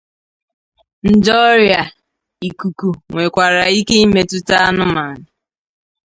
Nje ọrịa ikuku nwekwara ike imetụta anụmanụ.